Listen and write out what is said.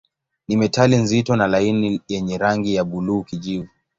Ni metali nzito na laini yenye rangi ya buluu-kijivu.